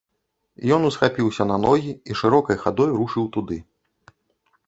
Ён усхапіўся на ногі і шырокай хадой рушыў туды.